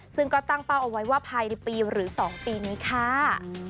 ซึ่งก็ตั้งเป้าเอาไว้ว่าภายในปีหรือ๒ปีนี้ค่ะ